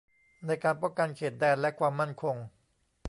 ในการป้องกันเขตแดนและความมั่นคง